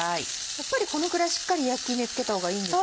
やっぱりこのくらいしっかり焼き目つけた方がいいんですか？